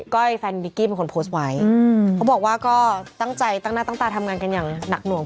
้อยแฟนนิกกี้เป็นคนโพสต์ไว้เขาบอกว่าก็ตั้งใจตั้งหน้าตั้งตาทำงานกันอย่างหนักหน่วง